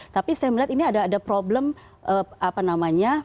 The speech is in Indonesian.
tapi saya melihat ini ada problem apa namanya